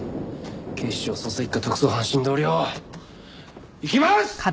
警視庁捜査一課特捜班新藤亮いきます！